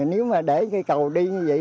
nếu mà để cây cầu đi như vậy